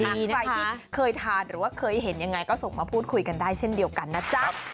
ใครที่เคยทานหรือว่าเคยเห็นยังไงก็ส่งมาพูดคุยกันได้เช่นเดียวกันนะจ๊ะ